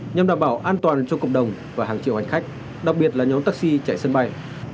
nhằm đảm bảo an toàn cho cộng đồng và hàng triệu hành khách đặc biệt là nhóm taxi chạy sân bay